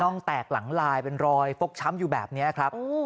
ร่องแตกหลังลายเป็นรอยฟกช้ำอยู่แบบนี้ครับ